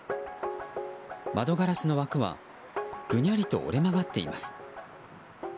窓ガラスの枠はぐにゃりと折れ曲がっています。